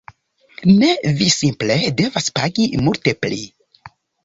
Ne, vi simple devas pagi multe pli